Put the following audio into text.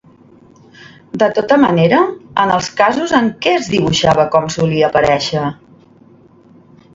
De tota manera, en els casos en què es dibuixava com solia aparèixer?